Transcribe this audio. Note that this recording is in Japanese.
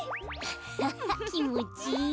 ハッハきもちいい。